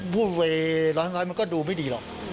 พูดเวลาส็นด้วยมันก็ดูไม่ดีหรอก